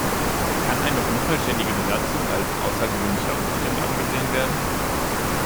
Kann eine unvollständige Besatzung als außergewöhnlicher Umstand angesehen werden?